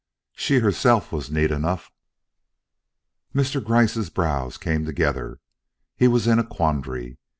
She herself was neat enough." Mr. Gryce's brows came together. He was in a quandary.